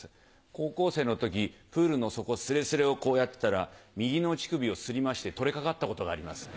高校生の時プールの底すれすれをこうやってたら右の乳首を擦りまして取れ掛かったことがあります。